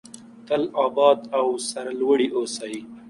تل اباد او سرلوړي اوسئ.